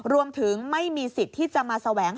รวมถึงไม่มีสิทธิ์ที่จะมาแสวงหา